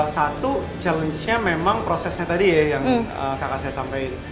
satu challenge nya memang prosesnya tadi ya yang kakak saya sampaikan